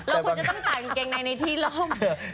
เราควรจะต้องตากเกงในในที่เรามี